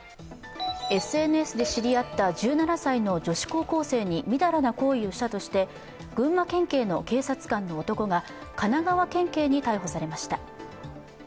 ＳＮＳで知り合った１７歳の女子高校生にみだらな行為をしたとして群馬県警の警察官の男が神奈川県警に逮捕されました。